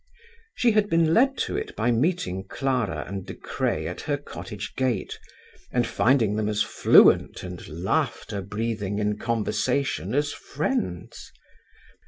She had been led to it by meeting Clara and De Craye at her cottage gate, and finding them as fluent and laughter breathing in conversation as friends.